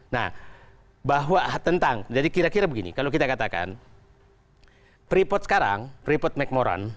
nah bahwa tentang jadi kira kira begini kalau kita katakan freeport sekarang freeport mcmoran